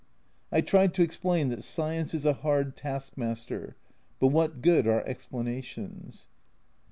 I tried to explain that Science is a hard taskmaster, but what good are explanations